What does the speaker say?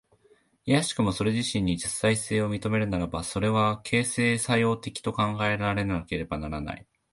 いやしくもそれ自身に実在性を認めるならば、それは形成作用的と考えられねばならない。